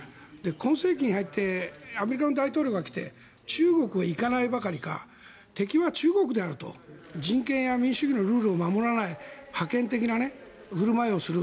今世紀に入ってアメリカの大統領が来て中国へ行かないばかりか敵は中国であると人権や民主主義のルールを守らない覇権的な振る舞いをする。